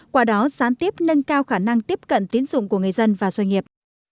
qua đó sán tiếp nâng cao khả năng tiếp cận tín dụng của người dân và doanh nghiệp